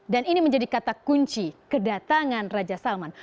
dan ini menjadi kata kunci kedatangan raja salman